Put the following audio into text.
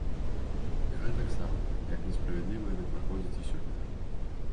Гэтаксама, як несправядліва яны праходзяць і сёлета.